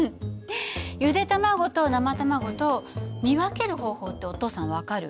ゆで卵と生卵と見分ける方法ってお父さん分かる？